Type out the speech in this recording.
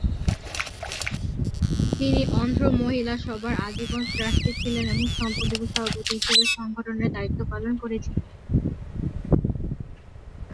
তিনি অন্ধ্র মহিলা সভার আজীবন ট্রাস্টি ছিলেন এবং সম্পাদক ও সভাপতি হিসাবে সংগঠনের দায়িত্ব পালন করেছিলেন।